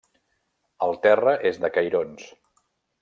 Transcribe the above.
El terra és de cairons.